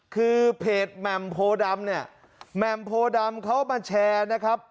คือเพจแหม่มโพดำเนี่ยแหม่มโพดำเขามาแชร์นะครับ